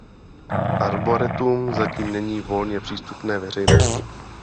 Arboretum zatím není volně přístupné veřejnosti.